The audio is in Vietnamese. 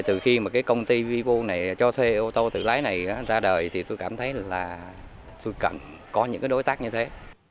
từ khi công ty vivo này cho thuê ô tô tự lái này ra đời thì tôi cảm thấy là tôi cần có những đối tác như thế